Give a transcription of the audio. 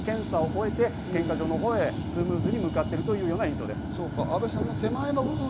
スムーズに検査を終えて献花場のほうへスムーズに向かっているという印象です。